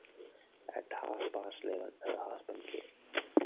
At half-past eleven her husband came.